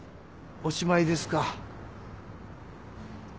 おしまいですか？